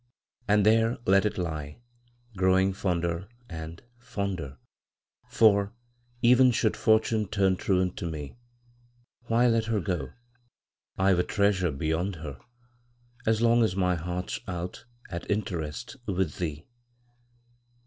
And there let it lie, growing fonder and, fonder For, even should Fortune turn truant to me, Why, let her go I've a treasure beyond her, As long as my heart's out at interest With thee!